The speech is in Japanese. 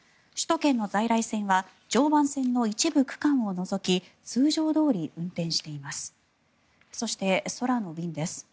首都圏の在来線は常磐線の一部区間を除き通常どおり運転しています。